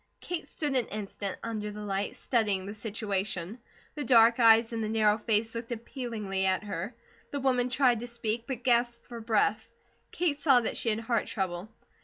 Kate stood an instant under the light, studying the situation. The dark eyes in the narrow face looked appealingly at her. The woman tried to speak, but gasped for breath. Kate saw that she had heart trouble.